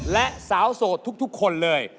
และสาวโสดทุกคนเลย